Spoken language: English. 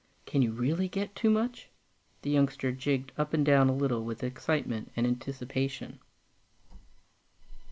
Can you really get too much?" The youngster jigged up and down a little with excitement and anticipation.